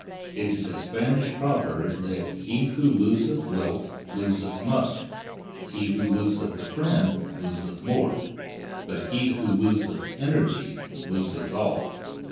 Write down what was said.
It is a Spanish proverb that "he who loseth wealth loseth much; he who loseth a friend loseth more; but he who loseth energy loseth all."